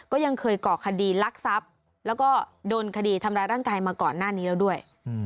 ก็ยังเคยก่อคดีลักทรัพย์แล้วก็โดนคดีทำร้ายร่างกายมาก่อนหน้านี้แล้วด้วย